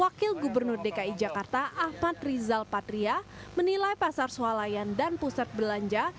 wakil gubernur dki jakarta ahmad rizal patria menilai pasar sualayan dan pusat belanja